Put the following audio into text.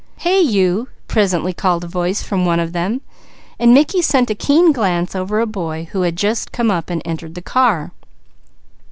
"Hey you!" presently called a voice from one of them. Mickey sent a keen glance over a boy who had come up and entered the car.